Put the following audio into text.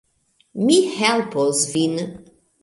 Mi helpos vin